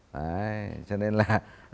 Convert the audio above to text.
đấy cho nên là